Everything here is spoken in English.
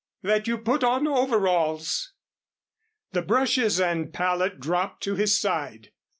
"That you put on overalls." The brushes and palette dropped to his side.